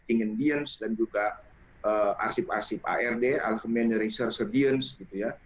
ting indians dan juga arsip arsip ard alkmen researcher indians gitu ya